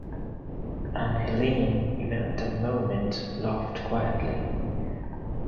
And Helene, even at that moment, laughed quietly.